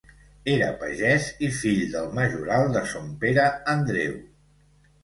Era pagès i fill del majoral de Son Pere Andreu.